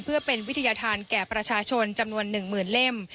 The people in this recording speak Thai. เพื่อเป็นวิทยาธารแก่ประชาชนจำนวนหนึ่งหมื่นเล่ม